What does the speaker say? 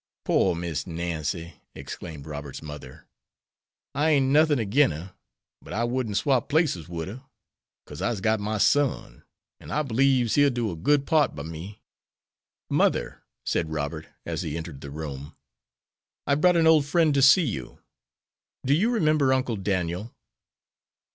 "Pore Miss Nancy!" exclaimed Robert's mother. "I ain't nothin' agin her. But I wouldn't swap places wid her, 'cause I'se got my son; an' I beliebs he'll do a good part by me." "Mother," said Robert, as he entered the room, "I've brought an old friend to see you. Do you remember Uncle Daniel?"